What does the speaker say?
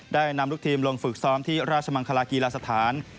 ได้นำลูกทีมลงฝึกซ้อมที่ราชมังคลากีฬาสถาน